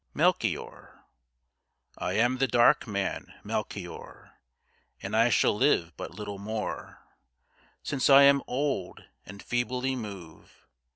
MELCHIOR I am the dark man, Melchior, And I shall live but little more Since I am old and feebly move.